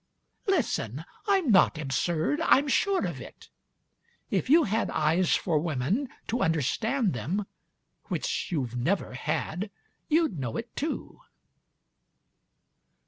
Listen!âI'm not absurd.... I'm sure of it. If you had eyes for women, To understand them, which you've never had, You'd know it too